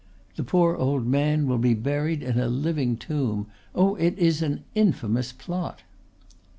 The poor old man will be buried in a living tomb. Oh, it is an infamous plot!"